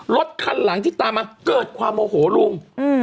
รถคันหลังที่ตามมาเกิดความโมโหลุง